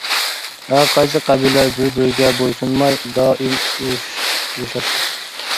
ھەرقايسى قەبىلىلەر بىر-بىرىگە بويسۇنماي، دائىم ئۇرۇش قىلىشاتتى.